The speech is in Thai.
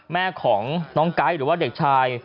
แม่ของน้องไก๊หรือว่าเด็กชาย